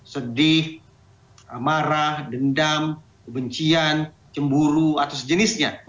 sedih amarah dendam kebencian cemburu atau sejenisnya